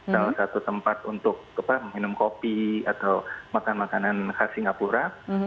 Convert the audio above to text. salah satu tempat untuk minum kopi atau makan makanan khas singapura